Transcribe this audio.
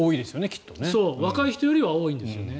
若い人よりは多いですよね。